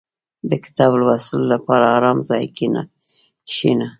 • د کتاب لوستلو لپاره آرام ځای کې کښېنه.